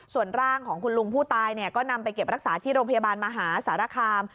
ส่วนร่างของคุณลุงผู้ตายก็นำไปเก็บรักษาที่โรงพยาบาลมหาสารคาม